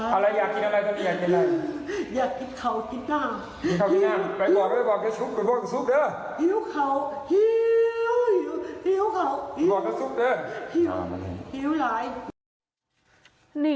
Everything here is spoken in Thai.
เอาแล้วอยากกินอะไรอันนี้อยากกินอะไรอยากกินขาวกินขัง